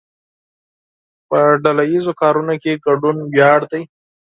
په ډله ایزو کارونو کې ګډون ویاړ دی.